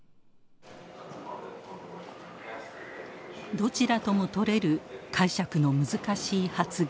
どちらとも取れる解釈の難しい発言。